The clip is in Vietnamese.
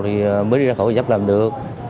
thì mới đi ra khỏi gò vấp làm được